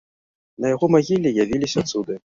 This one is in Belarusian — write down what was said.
На яго магіле явіліся цуды.